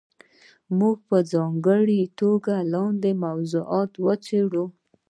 موږ به په ځانګړې توګه لاندې موضوعات وڅېړو.